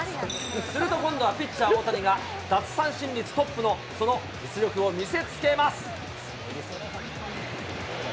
すると今度はピッチャー、大谷が奪三振率トップの、その実力を見せつけます。